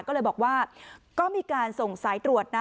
ก็เลยบอกว่าก็มีการส่งสายตรวจนะ